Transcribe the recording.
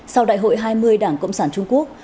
sau đại hội hai mươi đảng cộng sản trung quốc